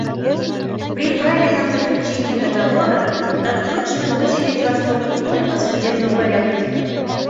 При правильном заключении договора, досрочно выселить вас могут только в судебном порядке.